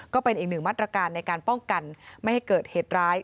ก็เป็นอีกหนึ่งมาตรการในการป้องกันไม่ให้เกิดเหตุร้าย